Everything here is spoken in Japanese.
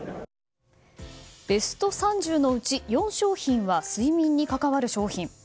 ベスト３０のうち４商品は睡眠に関わる商品。